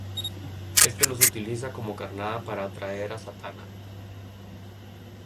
Este los utiliza como carnada para atraer a Zatanna.